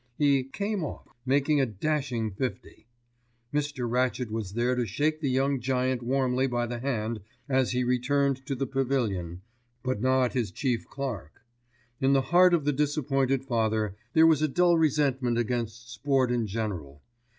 He "came off," making a dashing fifty. Mr. Rachett was there to shake the young giant warmly by the hand as he returned to the pavilion, but not his chief clerk. In the heart of the disappointed father there was a dull resentment against sport in general.